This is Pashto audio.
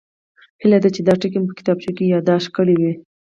هیله ده چې دا ټکي مو په کتابچو کې یادداشت کړي وي